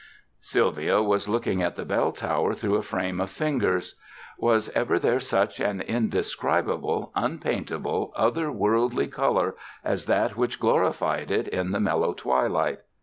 Sylvia was looking at the bell tower through a frame of fingers. Was ever there such an inde scribable, unpaintable, other worldly color as that which glorified it in the mellow twilight?